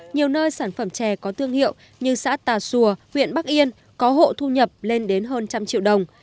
nhiều nơi sản phẩm trè có tương hiệu như xã tà xùa huyện bắc yên có hộ thu nhập lên đến hơn một trăm linh triệu đồng